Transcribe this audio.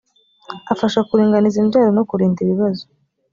afasha kuringaniza imbyaro no kurinda ibibazo